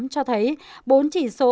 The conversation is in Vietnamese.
cho thấy bốn chỉ số có cải thiện